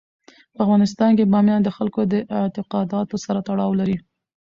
په افغانستان کې بامیان د خلکو د اعتقاداتو سره تړاو لري.